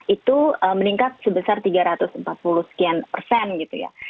itu meningkat sebesar tiga ratus empat puluh sekian persen gitu ya